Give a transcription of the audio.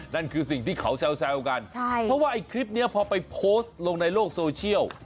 นั่นคือสิ่งที่เขาแซวกันใช่เพราะว่าไอ้คลิปนี้พอไปโพสต์ลงในโลกโซเชียล